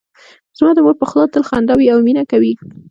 زما د مور په خوله تل خندا وي او مینه کوي